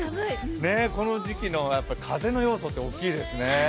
この時期の風の要素って大きいですね。